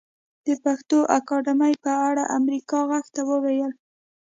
د پښتو اکاډمۍ په اړه امريکا غږ ته وويل